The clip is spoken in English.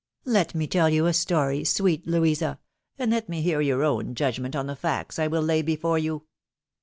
Let me tell you a story, sweet Louisa ! and let me hear your own judgment on the facts I will lay before you.